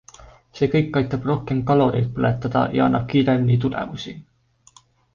See kõik aitab rohkem kaloreid põletada ja annab kiiremini tulemusi.